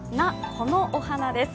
このお花です。